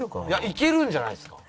いけるんじゃないですか。